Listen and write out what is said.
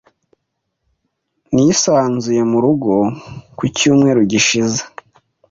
Nisanzuye murugo ku cyumweru gishize.